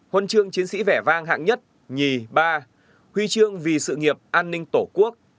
huân chương chiến sĩ vẻ vang hạng nhất nhì ba huy chương vì sự nghiệp an ninh tổ quốc